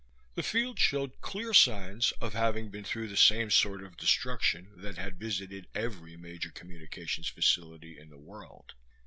The field showed clear signs of having been through the same sort of destruction that had visited every major communications facility in the world.